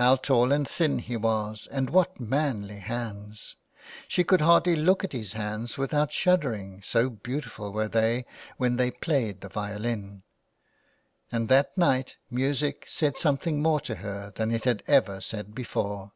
How tall and thin he was and what manly hands ! She could hardly look at his hands without shuddering, so beautiful were they when they played the violin ; and that night music said something more to her than it had ever said before.